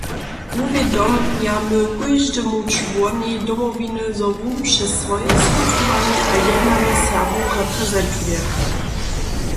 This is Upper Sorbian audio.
Wuwědomjamy kóždemu čłonej Domowiny, zo wón přez swoje skutkowanje a jednanje Serbow reprezentuje.